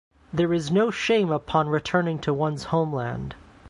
There is no shame upon returning to one’s homeland.